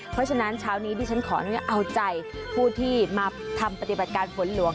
เพราะฉะนั้นเช้านี้ดิฉันขออนุญาตเอาใจผู้ที่มาทำปฏิบัติการฝนหลวง